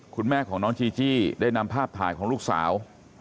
คุณแม่ของน้องจีจี้ได้นำภาพถ่ายของลูกสาว